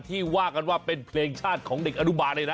ว่ากันว่าเป็นเพลงชาติของเด็กอนุบาลเลยนะ